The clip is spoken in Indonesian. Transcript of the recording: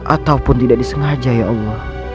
ataupun tidak disengaja ya allah